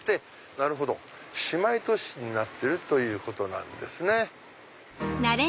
なるほど姉妹都市になってるということなんですね。